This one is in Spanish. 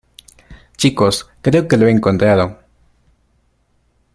Chicos, creo que lo he encontrado.